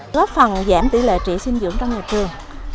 góp phần giảm tỷ lệ trị sinh dưỡng trong nhà trường